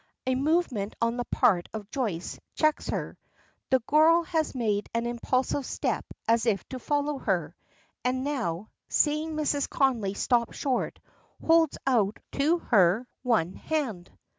A movement on the part of Joyce checks her. The girl has made an impulsive step as if to follow her, and now, seeing Mrs. Connolly stop short, holds out to her one hand.